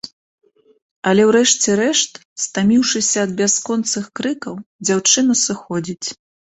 Але ў рэшце рэшт, стаміўшыся ад бясконцых крыкаў, дзяўчына сыходзіць.